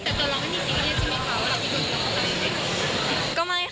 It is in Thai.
แต่ตอนเราไม่มีจริงจริงมั้ยคะว่าพี่หนีแล้วเขาทำยังไง